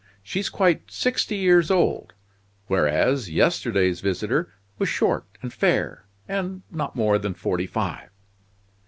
She's quite sixty years old; whereas, yesterday's visitor was short and fair, and not more than forty five."